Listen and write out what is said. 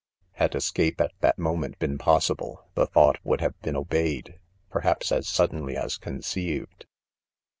Had escape at that moment been possible, the thought would have been obey a ed, perhaps, as suddenly as conceived.